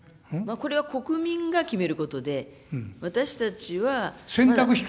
これは国民が決めることで、私たちは。